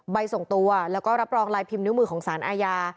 ส่งตัวแล้วก็รับรองลายพิมพ์นิ้วมือของสารอาญา